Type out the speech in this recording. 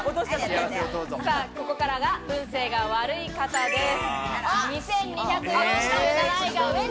ここからは運勢が悪い方です。